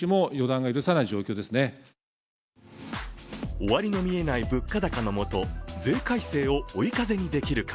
終わりの見えない物価高の下税改正を追い風にできるか。